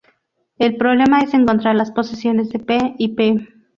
El problema es encontrar las posiciones de "P" y "P".